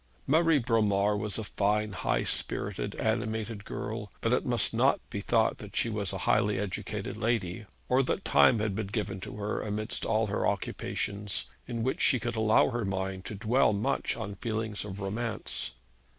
Marie Bromar was a fine, high spirited, animated girl; but it must not be thought that she was a highly educated lady, or that time had been given to her amidst all her occupations, in which she could allow her mind to dwell much on feelings of romance.